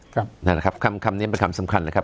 นั่นแหละครับคำนี้เป็นคำสำคัญเลยครับ